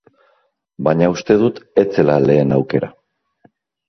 Baina uste dut ez zela lehen aukera.